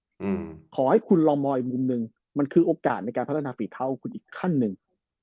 ขอให้คุณลองมองอีกมุมหนึ่งมันคือโอกาสในการพัฒนาฝีเท้าคุณอีกขั้นหนึ่ง